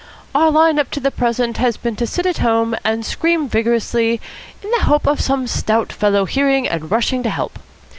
Our line up to the present has been to sit at home and scream vigorously in the hope of some stout fellow hearing and rushing to help.